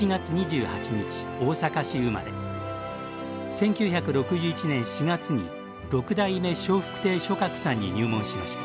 １９６１年４月に六代目笑福亭松鶴さんに入門しました。